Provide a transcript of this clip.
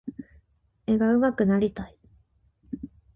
絵が上手くなりたい。